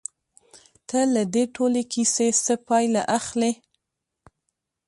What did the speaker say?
ته له دې ټولې کيسې څه پايله اخلې؟